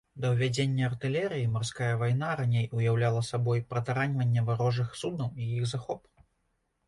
Да ўвядзення артылерыі марская вайна раней уяўляла сабой пратараньванне варожых суднаў і іх захоп.